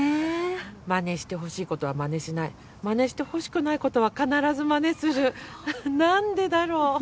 まねしてほしいことはまねしない、まねしてほしくないことは必ずまねする、なんでだろう。